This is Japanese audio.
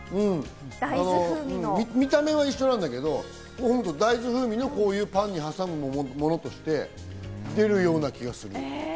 見た目は一緒なんだけど、大豆風味のこういうパンに挟むものとして出るような気がする。